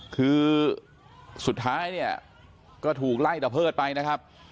คือสุดท้ายเนี่ยก็ถูกไล่ตะเพิดไปนะครับ